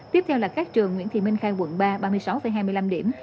tiếp theo là các trường nguyễn thị minh khai quận ba ba mươi sáu hai mươi năm điểm